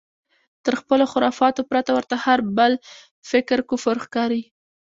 تر خپلو خرافاتو پرته ورته هر بل فکر کفر ښکاري.